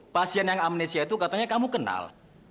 pasien yang amnesia itu katanya kamu kenal